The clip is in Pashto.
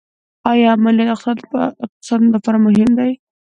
آیا امنیت د اقتصاد لپاره مهم دی؟